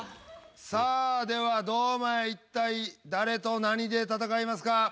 さあでは堂前いったい誰と何で戦いますか？